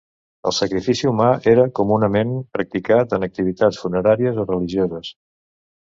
El sacrifici humà era comunament practicat en activitats funeràries o religioses.